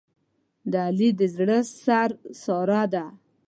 د علي د زړه سر ساره ده.